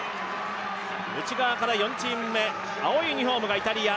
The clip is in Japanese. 内側から４チーム目、青いユニフォームがイタリア。